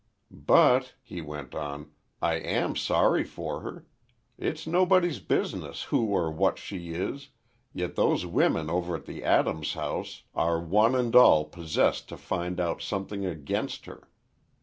"But," he went on, "I am sorry for her. It's nobody's business who or what she is, yet those women over at the Adams house are one and all possessed to find out something against her.